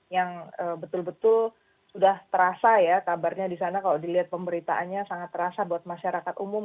yang betul betul sudah terasa ya kabarnya di sana kalau dilihat pemberitaannya sangat terasa buat masyarakat umum